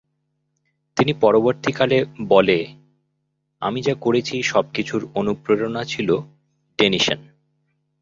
তিনি পরবর্তী কালে বলে, "আমি যা করেছি সবকিছুর অনুপ্রেরণা ছিল ডেনিশন।